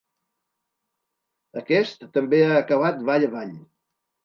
Aquest també ha acabat vall avall.